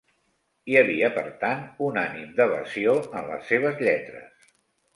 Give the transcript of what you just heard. Hi havia, per tant, un ànim d'evasió en les seves lletres.